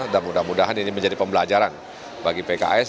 dan mudah mudahan ini menjadi pembelajaran bagi pks